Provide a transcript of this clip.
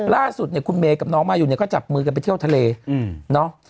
ล่าสุดเนี่ยคุณเมย์กับน้องมายูเนี่ยก็จับมือกันไปเที่ยวทะเลเนาะ